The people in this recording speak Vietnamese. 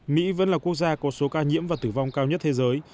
mỹ vẫn là quốc gia có số ca nhiễm và tử vong cao nhất thế giới